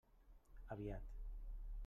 Aviat.